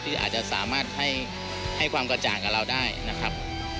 อาจจะสามารถให้ความกระจ่างกับเราได้นะครับ